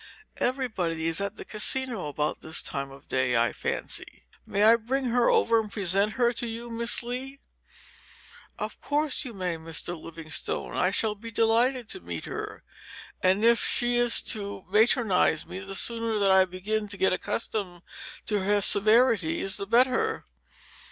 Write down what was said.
Everybody is at the Casino about this time of day, I fancy. May I bring her over and present her to you, Miss Lee?" "Of course you may, Mr. Livingstone. I shall be delighted to meet her. And if she is to matronize me, the sooner that I begin to get accustomed to her severities the better."